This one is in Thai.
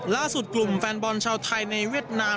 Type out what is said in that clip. ล่าสุดกลุ่มแฟนบอลชาวไทยในเวียดนาม